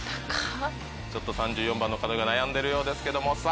ちょっと３４番の方が悩んでるようですけども。